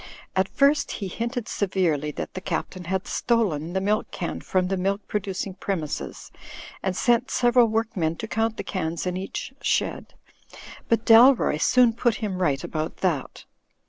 At first he hinted severely that the Captain had stolen the milk can from the milk producing premises, and sent several work men to count the cans in each shed; but Dalroy soon put him right about that.